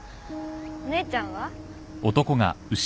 お姉ちゃんは？